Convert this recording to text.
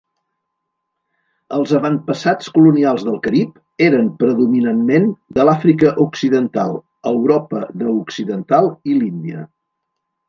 Els avantpassats colonials del Carib eren predominantment de l'Àfrica occidental, Europa de occidental i l'Índia.